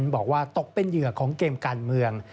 บอกว่าตกเป็นเหยื่อของเกมการเมือง